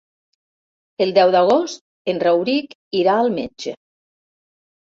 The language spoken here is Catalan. El deu d'agost en Rauric irà al metge.